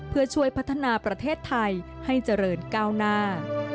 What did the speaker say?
เพื่อช่วยพัฒนาประเทศไทยให้เจริญก้าวหน้า